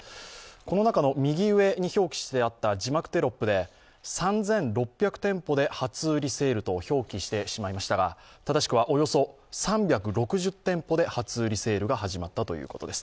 この中の右上に表記してあった字幕テロップで３６００店舗で初売りセールと表記してしまいましたが、正しくは、およそ３６０店舗で初売りセールが始まったということです。